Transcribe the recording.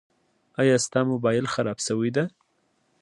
ایا ستا مبایل خراب شوی ده؟